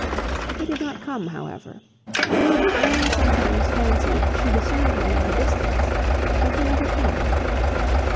He did not come however. Anne sometimes fancied she discerned him at a distance, but he never came.